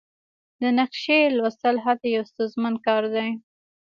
د نقشې لوستل هلته یو ستونزمن کار دی